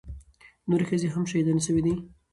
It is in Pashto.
نورې ښځې هم شهيدانې سوې دي.